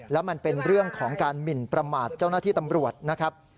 แล้วมันเป็นเรื่องของการหมินประมาทเจ้าหน้าที่ตำรวจนะครับ